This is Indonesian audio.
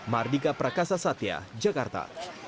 mardika prakasa satya jakarta